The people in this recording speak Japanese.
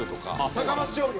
高松商業！